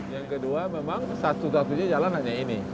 yang kedua memang satu satunya jalanannya ini